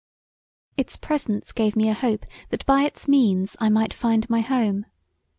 Its presence gave me a hope that by its means I might find my home.